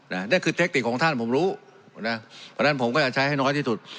นี่คือเทคติกของท่านผมรู้นะเพราะฉะนั้นผมก็จะใช้ให้น้อยที่สุด